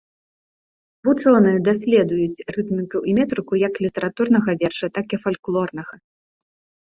Вучоныя даследуюць рытміку і метрыку як літаратурнага верша, так і фальклорнага.